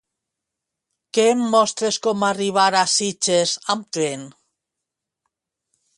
Què em mostres com arribar a Sitges amb tren?